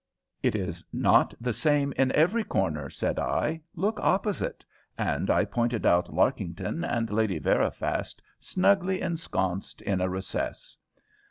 '" "It is not the same in every corner," said I; "look opposite," and I pointed out Larkington and Lady Veriphast snugly ensconced in a recess.